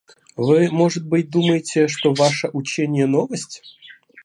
Вы, может быть, думаете, что ваше учение новость?